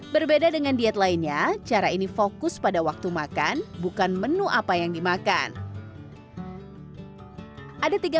berbeda dengan diet lainnya cara ini fokus pada waktu makan bukan menu apa yang dimakan ada tiga